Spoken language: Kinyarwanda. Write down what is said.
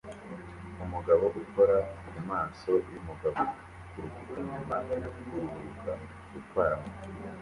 Umugore ukora ku maso yumugabo kurukuta nyuma yo kuruhuka gutwara moto